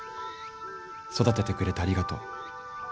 育ててくれてありがとう。